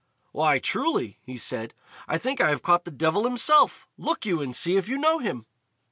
"Why, truly," he said, "I think I have caught the devil himself. Look you and see if you know him."